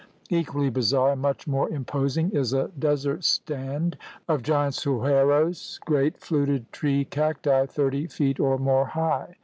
Equally bizarre and much more imposing is a des ert "stand" of giant suhuaros, great fluted tree cacti thirty feet or more high.